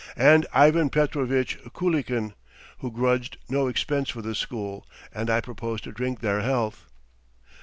"And Ivan Petrovitch Kulikin, who grudge no expense for the school, and I propose to drink their health.